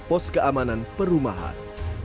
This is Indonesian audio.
pos keamanan perumahan